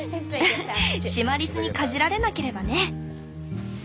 シマリスにかじられなければね。